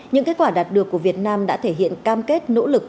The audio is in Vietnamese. những kết quả đạt được của việt nam đã thể hiện cam kết nỗ lực